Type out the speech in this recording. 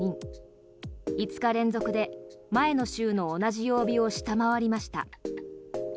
５日連続で前の週の同じ曜日を下回りました。